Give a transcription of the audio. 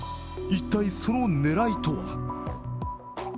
一体、その狙いとは。